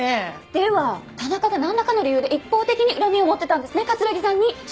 では田中がなんらかの理由で一方的に恨みを持ってたんですね城さんに。